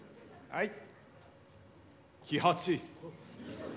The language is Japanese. はい。